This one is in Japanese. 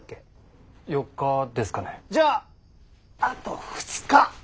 じゃああと２日！